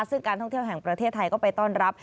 ซึ่งการท่องเที่ยวแห่งประเทศไทยก็ไปต้อนรับ